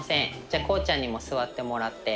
じゃあ航ちゃんにも座ってもらって。